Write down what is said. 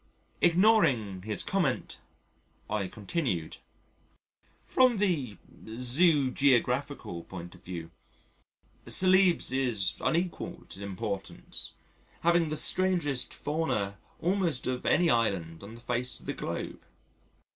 Ignoring his comment, I continued: "From the Zoogeographical point of view, Celebes is unequalled in importance, having the strangest fauna almost of any island on the face of the globe.